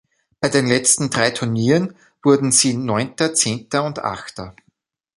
Bei den letzten drei Turnieren wurden sie Neunter, Zehnter und Achter.